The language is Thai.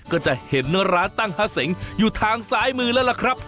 ก็จะเห็นร้านตั้งฮาเสงอยู่ทางซ้ายมือแล้วล่ะครับ